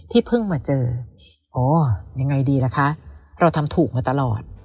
เพิ่งมาเจออ๋อยังไงดีล่ะคะเราทำถูกมาตลอด